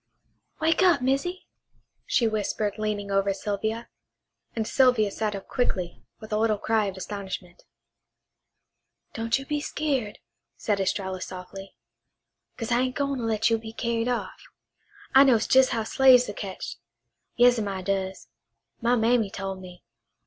"Wake up, Missy," she whispered leaning over Sylvia; and Sylvia sat up quickly, with a little cry of astonishment. "Don't you be skeered," said Estralla softly, "'cause I ain' gwine to let you be carried off. I knows jes' how slaves are ketched. Yas'm, I does. My mammy tole me.